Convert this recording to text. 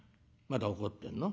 まだ怒ってんの？